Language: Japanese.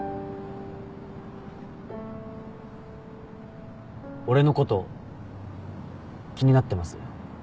俺のこと気になってます？